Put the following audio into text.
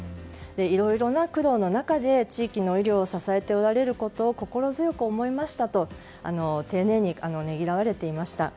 いろいろな苦労の中で地域の医療を支えておられることを心強く思いましたと丁寧にねぎらわれていました。